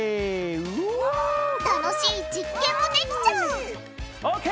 楽しい実験もできちゃう！